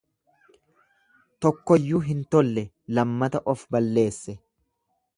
Tokkoyyuu hin tollee lammata of balleesse.